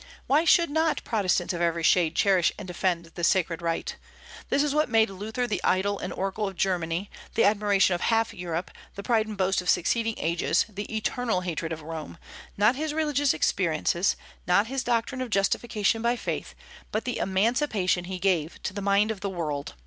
Why should not Protestants of every shade cherish and defend this sacred right? This is what made Luther the idol and oracle of Germany, the admiration of half Europe, the pride and boast of succeeding ages, the eternal hatred of Rome; not his religious experiences, not his doctrine of justification by faith, but the emancipation he gave to the mind of the world.